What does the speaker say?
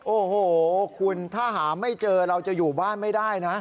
โอ้โหคุณถ้าหาไม่เจอเราจะอยู่บ้านไม่ได้นะ